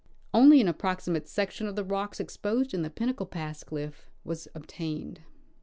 Only an approximate section of the rocks exj^osed in the Pin nacle pass cliff was obtained.